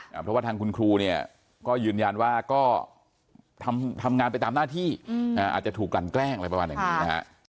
เพราะว่าทางคุณครูเนี่ยก็ยืนยันว่าก็ทำงานไปตามหน้าที่อาจจะถูกกลั่นแกล้งอะไรประมาณอย่างนี้นะฮะ